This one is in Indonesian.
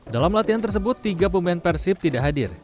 dalam latihan tersebut tiga pemain persib tidak hadir